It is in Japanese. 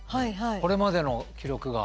これまでの記録が。